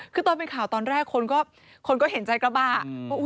คือตอนเป็นข่าวตอนแรกคนก็คนก็เห็นใจกระบะว่า